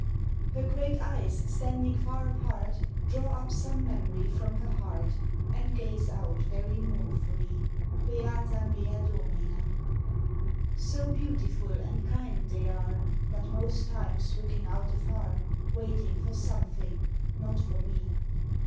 _ Her great eyes, standing far apart, Draw up some memory from her heart, And gaze out very mournfully; Beata mea Domina! So beautiful and kind they are, But most times looking out afar, Waiting for something, not for me.